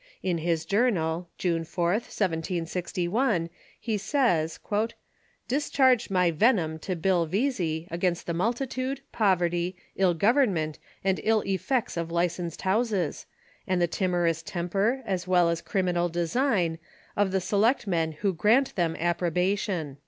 In his journal, June 4th, IVOI, he says: "Discharged my venom to Bill Veasey against the multitude, poverty, ill government, and ill effects of licensed houses, and the timorous temper, as well as criminal design, of the selectmen who grant them approba tion."